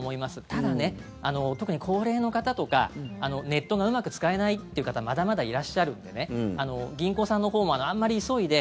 ただ、特に高齢の方とかネットがうまく使えないという方まだまだいらっしゃるんでね銀行さんのほうもあんまり急いで